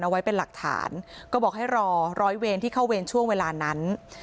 เอาไว้เป็นหลักฐานก็บอกให้รอร้อยเวรที่เข้าเวรช่วงเวลานั้น